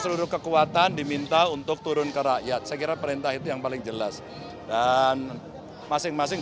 seluruh kekuatan diminta untuk turun ke rakyat saya kira perintah itu yang paling jelas dan masing masing